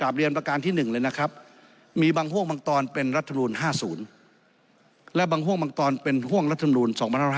เป็นห้วงรัฐธรรมนูล๒๕๕๗